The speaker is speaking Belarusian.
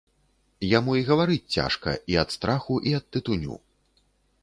Яму і гаварыць цяжка, і ад страху, і ад тытуню.